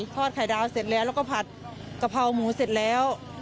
ทอดไข่ดาวเสร็จแล้วแล้วก็ผัดกะเพราหมูเสร็จแล้ว